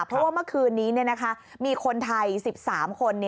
เพราะว่าเมื่อคืนนี้มีคนไทย๑๓คน